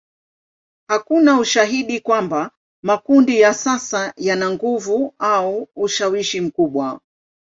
Hakuna ushahidi kwamba makundi ya sasa yana nguvu au ushawishi mkubwa.